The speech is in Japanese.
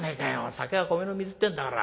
酒は米の水ってんだから。